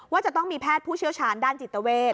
จะต้องมีแพทย์ผู้เชี่ยวชาญด้านจิตเวท